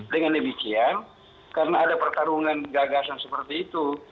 dengan demikian karena ada pertarungan gagasan seperti itu